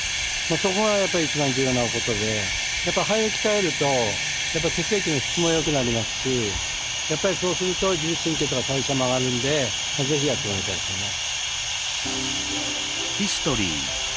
そこがやっぱり一番重要なことで肺を鍛えると血液の質も良くなりますしそうすると自律神経とか代謝も上がるんで是非やってもらいたいですよね。